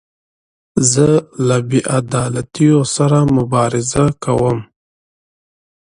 زه له بې عدالتیو سره مبارزه کوم.